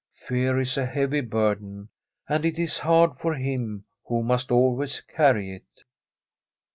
Fear is a heavy burden, and it is hard for him who must always carry it.